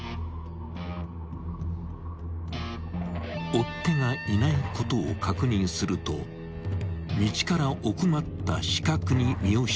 ［追っ手がいないことを確認すると道から奥まった死角に身を潜め自転車から降りた］